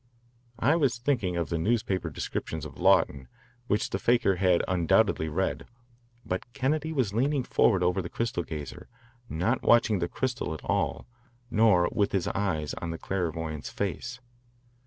I was thinking of the newspaper descriptions of Lawton, which the fakir had undoubtedly read, but Kennedy was leaning forward over the crystal gazer, not watching the crystal at all, nor with his eyes on the clairvoyant's face.